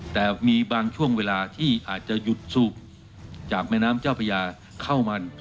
แต่มีบางช่วงเวลาที่อาจจะหยุดสูบจากแม่น้ำเจ้าพญาเข้ามัน